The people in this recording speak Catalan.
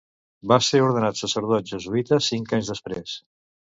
Va ser ordenat sacerdot jesuïta cinc anys després.